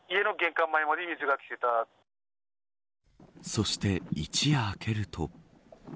そして、一夜明けると。